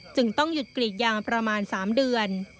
ต้องหยุดกรีดยางประมาณ๓เดือน